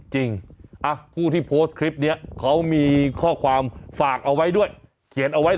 ผู้ที่โพสต์คลิปนี้เขามีข้อความฝากเอาไว้ด้วยเขียนเอาไว้